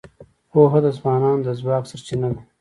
پوهه د ځوانانو د ځواک سرچینه ده.